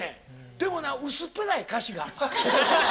でもな薄っぺらい歌詞が。